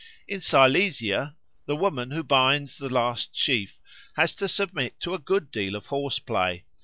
In Silesia the woman who binds the last sheaf has to submit to a good deal of horse play.